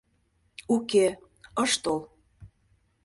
Уке, ыш тол.